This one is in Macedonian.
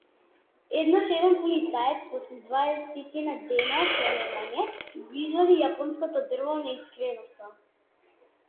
Еднаш еден полицаец, после дваесетина дена полевање, го извади јапонското дрво на искреноста.